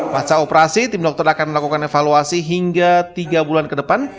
pasca operasi tim dokter akan melakukan evaluasi hingga tiga bulan ke depan